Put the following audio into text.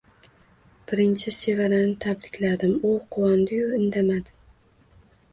Birinchi Sevarani tabrikladim, u quvondi-yu, indamadi